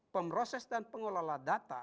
pemproses dan pengelola data